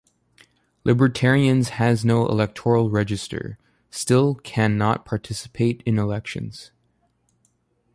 Libertarians has no electoral register, still can not participate in elections.